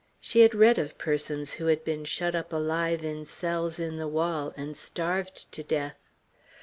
She had read of persons who had been shut up alive in cells in the wall, and starved to death.